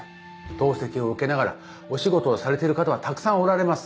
透析を受けながらお仕事をされている方はたくさんおられます。